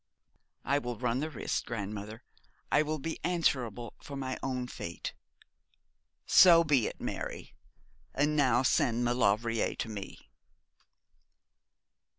"' 'I will run the risk, grandmother. I will be answerable for my own fate.' 'So be it, Mary. And now send Maulevrier to me.'